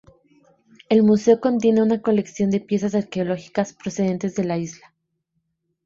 El museo contiene una colección de piezas arqueológicas procedentes de la isla.